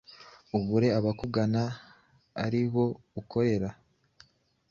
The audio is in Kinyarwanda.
Ubure abakugana ari bo ukorera